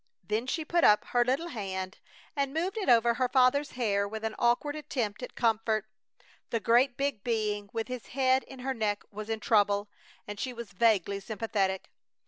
Then she put up her little hand and moved it over her father's hair with an awkward attempt at comfort. The great big being with his head in her neck was in trouble, and she was vaguely sympathetic.